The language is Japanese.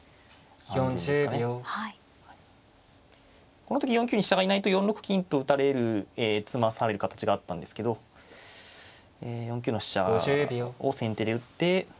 この時４九に飛車がいないと４六金と打たれる詰まされる形があったんですけど４九の飛車を先手で打って。